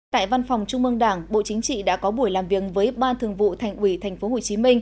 tại văn phòng trung mương đảng bộ chính trị đã có buổi làm việc với ban thường vụ thành ủy tp hcm